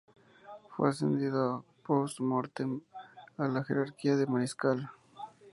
Fue ascendido "post mortem" a la jerarquía de Mariscal.